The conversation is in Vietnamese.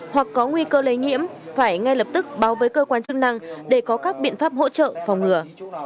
hoặc có nguy cơ lây nhiễm phải ngay lập tức báo với cơ quan chức năng để có các biện pháp hỗ trợ phòng ngừa